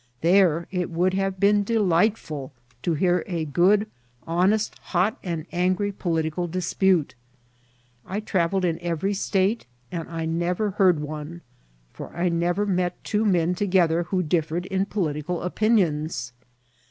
There it would have been delightful to hear a good, honest, hot, and angry political dispute. I travelled in every state, and I nev* er heard one ; for I never met two men together who differed in political opinions.